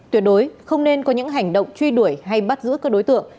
tuyệt đối không nên có những hành động truy đuổi hay bắt giữ các đối tượng